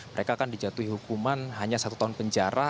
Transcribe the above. mereka akan dijatuhi hukuman hanya satu tahun penjara